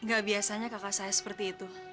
gak biasanya kakak saya seperti itu